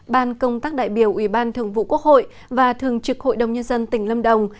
ban công tác đại biểu ủy ban thường vụ quốc hội và thường trực hội đồng nhân dân tỉnh lâm đồng